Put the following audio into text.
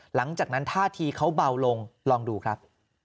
หลังจากนั้นท่าทีเขาเบาลงลองดูครับ